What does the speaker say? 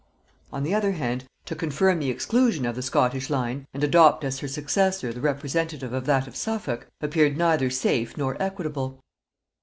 On the other hand, to confirm the exclusion of the Scottish line, and adopt as her successor the representative of that of Suffolk, appeared neither safe nor equitable.